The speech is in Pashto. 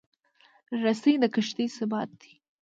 رسۍ د کښتۍ ثبات دی.